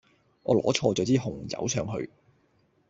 我攞錯咗支紅酒上去